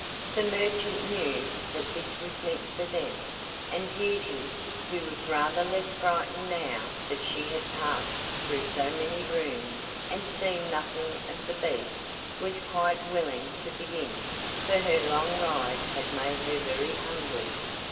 The merchant knew that this was meant for them, and Beauty, who was rather less frightened now that she had passed through so many rooms and seen nothing of the Beast, was quite willing to begin, for her long ride had made her very hungry.